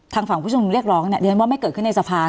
ทางฝั่งผู้ชมนุมเรียกร้องเนี่ยเรียนว่าไม่เกิดขึ้นในสภา